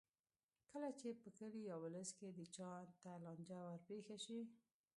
کله چې په کلي یا ولس کې چا ته لانجه ورپېښه شي.